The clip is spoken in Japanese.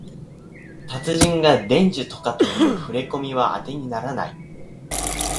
達人が伝授とかいうふれこみはあてにならない